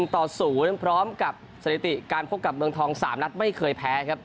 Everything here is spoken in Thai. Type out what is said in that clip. ต่อ๐พร้อมกับสถิติการพบกับเมืองทอง๓นัดไม่เคยแพ้ครับ